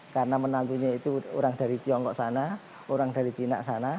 karena penantunya itu orang dari tiongkok sana orang dari cina sana